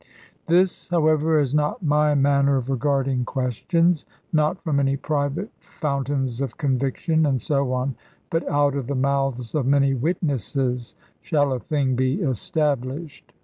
This, however, is not my manner of regarding questions. Not from any private fountains of conviction, and so on, but out of the mouths of many witnesses shall a thing be established.